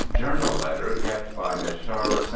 JOURNAL LETTER KEPT BY MISS CHARLOTTE ST.